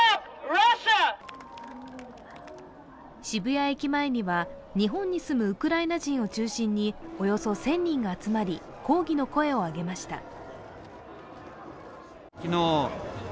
渋谷駅前には、日本に住むウクライナ人を中心におよそ１０００人が集まり、抗議の声を上げました。